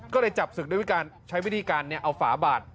ก็เลยจับศึกด้วยการใช้วิธีการเอาฝาบาด